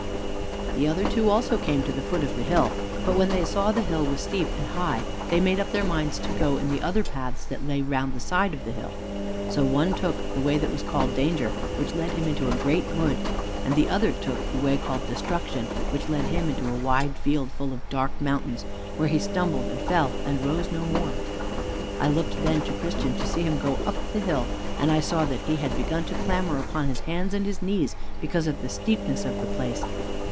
The other two also came to the foot of the hill. But when they saw that the hill was steep and high, they made up their minds to go in the other paths that lay round the side of the hill. So one took the way that was called Danger, which led him into a great wood, and the other took the way called Destruction, which led him into a wide field, full of dark mountains, where he stumbled and fell and rose no more. I looked then to Christian to see him go up the hill, and then I saw that he had begun to clamber upon his hands and his knees, because of the steepness of the place.